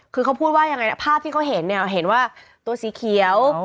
คือเขาพูดว่ายังไงนะภาพที่เขาเห็นเนี่ยเห็นว่าตัวสีเขียว